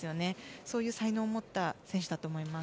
そういう才能を持った選手だと思います。